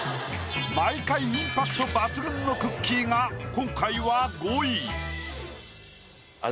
毎回インパクト抜群のくっきー！が今回は５位。